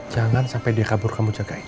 jangan sampai dia kabur kamu jagain